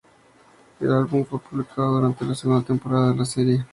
El álbum fue publicado durante la segunda temporada de la serie.